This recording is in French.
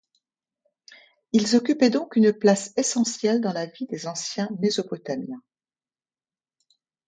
Ils occupaient donc une place essentielle dans la vie des anciens Mésopotamiens.